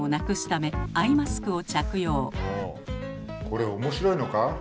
これ面白いのか？